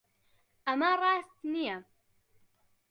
ئەمە ڕاست نییە.